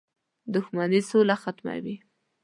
• دښمني سوله ختموي.